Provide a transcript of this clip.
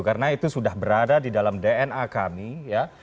karena itu sudah berada di dalam dna kami ya